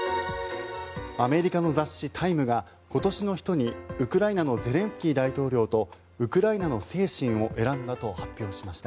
アメリカの雑誌「タイム」が今年の人にウクライナのゼレンスキー大統領とウクライナの精神を選んだと発表しました。